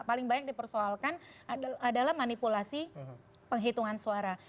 paling banyak di persoalkan adalah manipulasi penghitungan suara